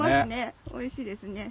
おいしいですね。